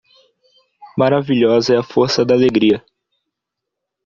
Maravilhosa é a força da alegria.